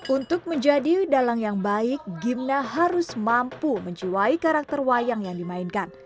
untuk menjadi dalang yang baik gimna harus mampu menjiwai karakter wayang yang dimainkan